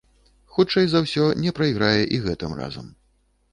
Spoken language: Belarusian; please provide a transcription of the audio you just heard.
Хутчэй за ўсё, не прайграе і гэтым разам.